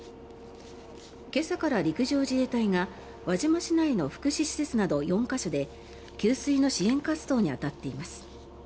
今朝から陸上自衛隊が輪島市内の福祉施設など４か所で給水の支援活動に当たっています。